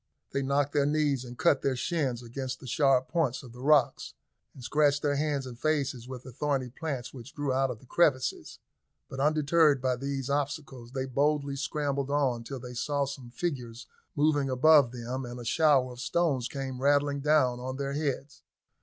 They knocked their knees and cut their shins against the sharp points of the rocks, and scratched their hands and faces with the thorny plants which grew out of the crevices; but, undeterred by these obstacles, they boldly scrambled on till they saw some figures moving above them, and a shower of stones came rattling down on their heads.